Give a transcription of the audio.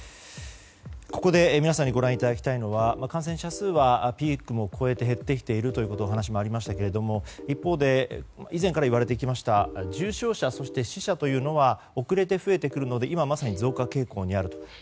ここで、皆さんにご覧いただきたいのは感染者数はピークも超えて減ってきているというお話もありましたけれども一方で以前からいわれてきました重症者、そして死者は遅れて増えてくるので今まさに増加傾向にあると。